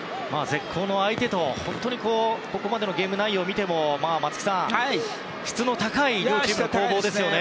絶好の相手とここまでのゲーム内容を見ても松木さん、質の高い両チームの攻防ですよね。